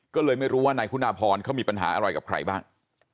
ก็เลยไม่รู้ว่านายคุณาพรเขามีปัญหาอะไรกับใครบ้าง